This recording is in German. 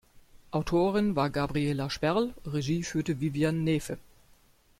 Autorin war Gabriela Sperl, Regie führte Vivian Naefe.